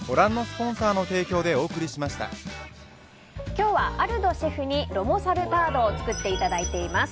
今日はアルドシェフにロモサルタードを作っていただいています。